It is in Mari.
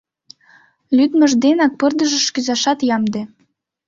Лӱдмыж денак пырдыжыш кӱзашат ямде.